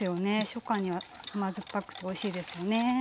初夏には甘酸っぱくておいしいですよね。